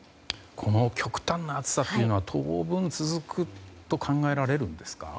この極端な暑さは当分続くと考えられるんですか？